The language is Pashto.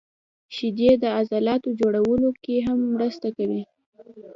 • شیدې د عضلاتو جوړولو کې هم مرسته کوي.